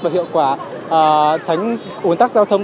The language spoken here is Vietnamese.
và hiệu quả tránh nguồn tắc giao thông